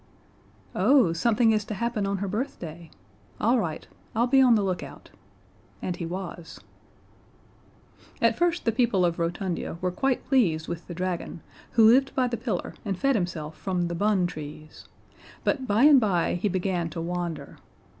"Oh, something is to happen on her birthday? All right. I'll be on the lookout." And he was. [Illustration: "By and by he began to wander." See page 29.] At first the people of Rotundia were quite pleased with the dragon, who lived by the pillar and fed himself from the bun trees, but by and by he began to wander.